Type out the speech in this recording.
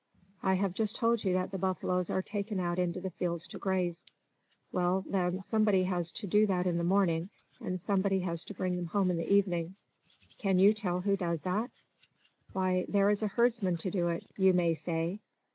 I have just told you that the buffaloes are taken out into the fields to graze. Well, then, somebody has to do that in the morning, and somebody has to bring them home in the evening. Can you tell who does that? Why, there is a herdsman to do it, you may say.